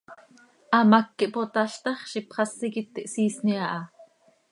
Hamác quih potál ta x, ziix ipxasi quih iti hsiisni aha.